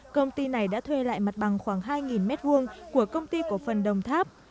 công ty này đã thuê lại mặt bằng khoảng hai m hai của công ty cổ phần đồng tháp